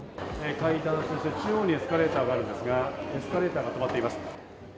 階段、そして中央にエスカレーターがあるんですが、エスカレーターが止まっています。